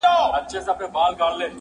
• چي یې قربان کړل خپل اولادونه -